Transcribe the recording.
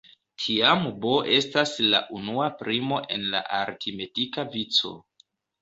Tiam "b" estas la unua primo en la aritmetika vico.